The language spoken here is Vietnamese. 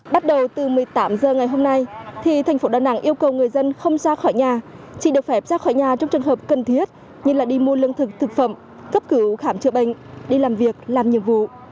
bắt đầu từ một mươi tám h ngày hôm nay thì thành phố đà nẵng yêu cầu người dân không ra khỏi nhà chị được phép ra khỏi nhà trong trường hợp cần thiết như đi mua lương thực thực phẩm cấp cứu khám chữa bệnh đi làm việc làm nhiệm vụ